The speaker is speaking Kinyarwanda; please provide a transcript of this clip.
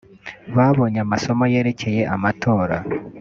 Babonye amasomo yerekeye amatora